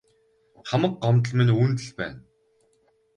Хамаг гомдол минь үүнд л байна.